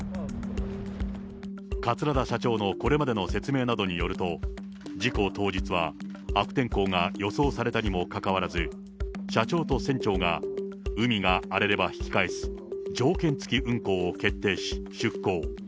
桂田社長のこれまでの説明などによると、事故当日は、悪天候が予想されたにもかかわらず、社長と船長が、海が荒れれば引き返す、条件付き運航を決定し、出航。